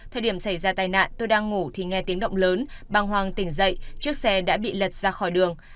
thời điểm xảy ra tai nạn tôi đang ngủ thì nghe tiếng động lớn băng hoàng tỉnh dậy chiếc xe đã bị lật ra khỏi đường